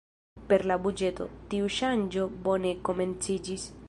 Per la buĝeto, tiu ŝanĝo bone komenciĝis.